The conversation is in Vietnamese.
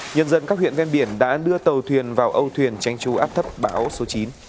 nhân dân các huyện ven biển đã đưa tàu thuyền vào âu thuyền tránh chú áp thấp bão số chín